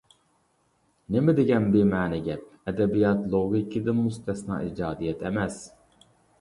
نېمە دېگەن بىمەنە گەپ، ئەدەبىيات لوگىكىدىن مۇستەسنا ئىجادىيەت ئەمەس.